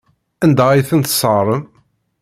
Anda ay ten-tesseɣrem?